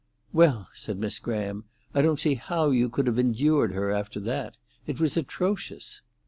"Well," said Miss Graham, "I don't see how you could have endured her after that. It was atrocious."